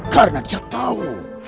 karena dia tahu